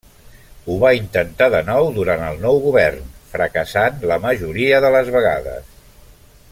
Ho va intentar de nou durant el nou govern, fracassant la majoria de les vegades.